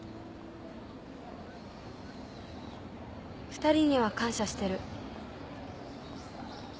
二人には感謝してる。